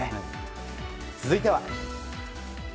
続いては。